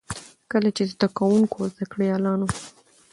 کله چې زده کـوونـکو او زده کړيـالانـو